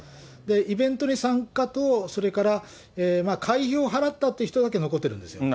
イベントに参加と、それから会費を払ったという人だけ残ってるんです。